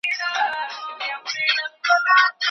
سوځول مي خلوتونه هغه نه یم